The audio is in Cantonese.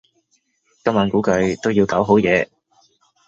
今晚估計都要搞好夜